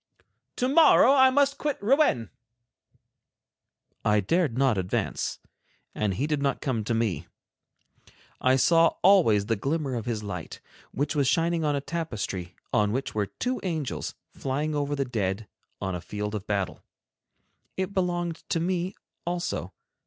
"To morrow I must quit Rouen." I dared not advance, and he did not come to me. I saw always the glimmer of his light, which was shining on a tapestry on which were two angels flying over the dead on a field of battle. It belonged to me also.